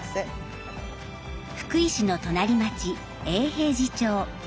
福井市の隣町永平寺町。